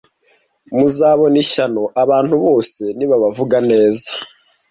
Muzabona ishyano abantu bose nibabavuga neza